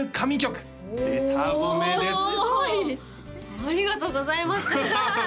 ありがとうございます